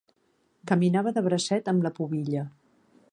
Caminava de bracet amb la pubilla.